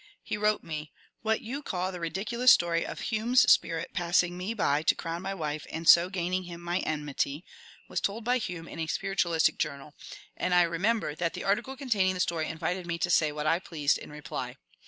He wrote me :What you call the ^ ridiculous story ' of Hume's spirits pass ing me by to crown my wife and so gaining him my enmity, was told by Hume in a spiritualistic journal — and I remem ber that the article containing the story invited me to say what I pleased in reply.